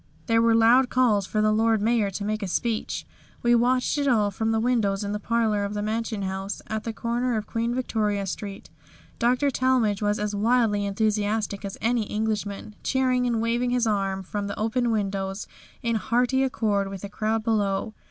There were loud calls for the Lord Mayor to make a speech. We watched it all from the windows in the parlour of the Mansion House, at the corner of Queen Victoria Street. Dr. Talmage was as wildly enthusiastic as any Englishman, cheering and waving his arm from the open windows in hearty accord with the crowd below.